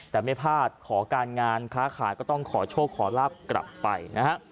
แต่ไม่พลาดขอการงานค้าขายก็ต้องขอโชคขอลาบกลับไปนะฮะ